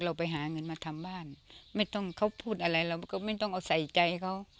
ไปหาเงินมาทำบ้านไม่ต้องเขาพูดอะไรเราก็ไม่ต้องเอาใส่ใจเขา